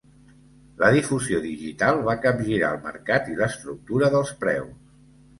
La difusió digital va capgirar el mercat i l'estructura dels preus.